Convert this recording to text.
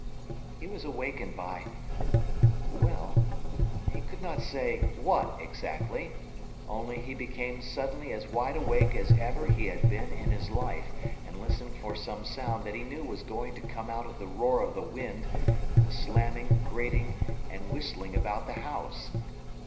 He was awakened by well, he could not say what, exactly, only he became suddenly as wide awake as ever he had been in his life, and listened for some sound that he knew was going to come out of the roar of the wind and the slamming, grating, and whistling about the house.